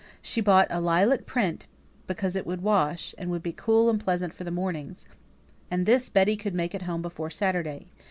She bought a lilac print, because it would wash, and would be cool and pleasant for the mornings; and this Betty could make at home before Saturday.